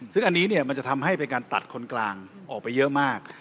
ซึ่งอันนี้มันจะทำให้เป็นการตัดคนกลางออกไปเยอะมาก